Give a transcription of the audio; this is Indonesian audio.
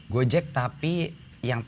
gojek tapi yang